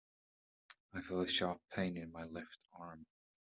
I feel a sharp pain in my left arm.